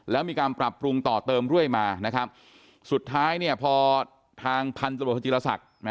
แล้วมีการปรับปรุงต่อเติมเรื่อยมานะครับสุดท้ายเนี่ยพอทางพันธบทจีรศักดิ์